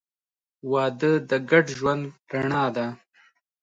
• واده د ګډ ژوند رڼا ده.